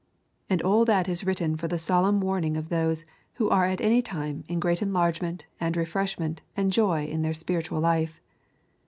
And all that is written for the solemn warning of those who are at any time in great enlargement and refreshment and joy in their spiritual life.